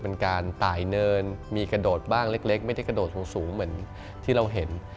เป็นการตายเนินมีกระโดดบ้างเล็กไม่ได้กระโดดสูงเหมือนที่เราเห็น